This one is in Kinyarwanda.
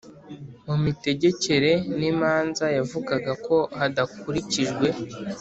mu mitegekere n imanza Yavugaga ko hadakurikijwe